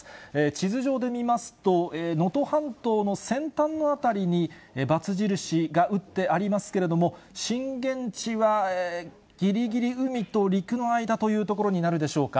地図上で見ますと、能登半島の先端の辺りにばつ印が打ってありますけれども、震源地はぎりぎり海と陸の間という所になるでしょうか。